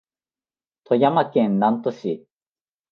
富山県南砺市